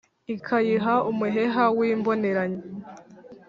ikayiha umuheha w' imboneranye